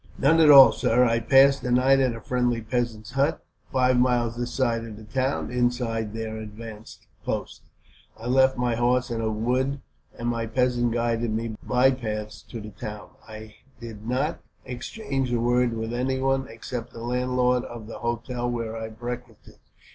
"None at all, sir. I passed the night at a friendly peasant's hut, five miles this side of the town, inside their advanced posts. I left my horse in a wood, and my peasant guided me by bypaths to the town. I did not exchange a word with anyone, except the landlord of the hotel where I breakfasted.